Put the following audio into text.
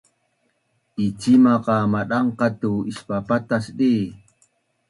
Icimaq qa madangqac tu ispapatas di?